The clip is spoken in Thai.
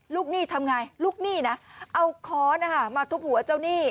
หนี้ทำไงลูกหนี้นะเอาค้อนมาทุบหัวเจ้าหนี้